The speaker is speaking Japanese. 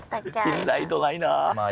信頼度ないなあ。